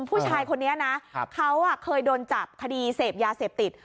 ผู้ชายคนนี้นะเขาเคยโดนจับคดีเสพยาเสพติด